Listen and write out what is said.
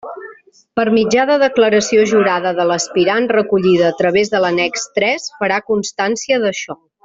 Per mitjà de declaració jurada de l'aspirant recollida a través de l'annex tres, farà constància d'això.